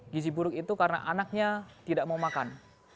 gizi buruk itu karena anaknya tidak mau makan